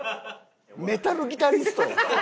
メタルギタリストやん。